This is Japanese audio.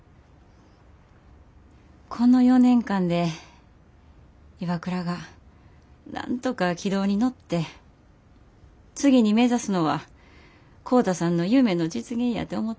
この４年間でＩＷＡＫＵＲＡがなんとか軌道に乗って次に目指すのは浩太さんの夢の実現やて思てた。